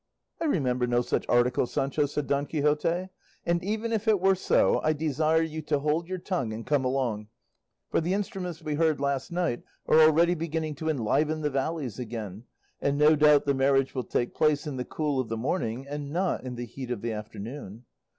"I remember no such article, Sancho," said Don Quixote; "and even if it were so, I desire you to hold your tongue and come along; for the instruments we heard last night are already beginning to enliven the valleys again, and no doubt the marriage will take place in the cool of the morning, and not in the heat of the afternoon."